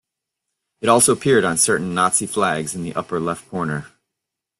It also appeared on certain Nazi flags in the upper left corner.